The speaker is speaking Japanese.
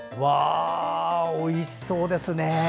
おいしそうですね。